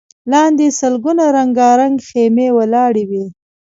لاندې سلګونه رنګارنګ خيمې ولاړې وې.